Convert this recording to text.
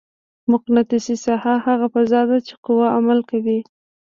مقناطیسي ساحه هغه فضا ده چې قوه عمل کوي.